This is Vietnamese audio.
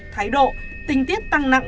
thái độ tính tiết tăng nặng